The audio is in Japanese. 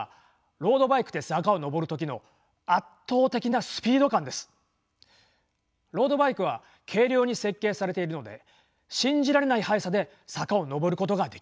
ロードバイクは軽量に設計されているので信じられない速さで坂を上ることができます。